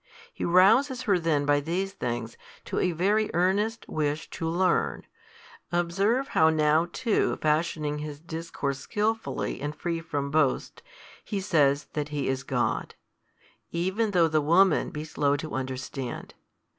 He rouses her then by these things to a very earnest wish to learn. Observe how now too fashioning His discourse skillfully and free from boast, He says that He is God, even though the woman be slow to understand.